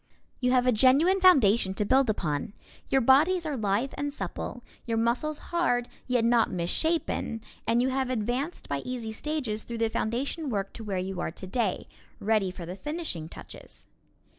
You have a genuine foundation to build upon. Your bodies are lithe and supple, your muscles hard yet not misshapen, and you have advanced by easy stages through the foundation work to where you are today, ready for the finishing touches.